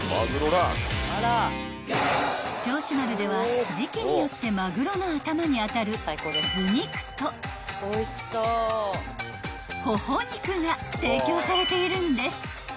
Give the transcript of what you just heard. ［銚子丸では時季によってまぐろの頭に当たる頭肉とほほ肉が提供されているんです］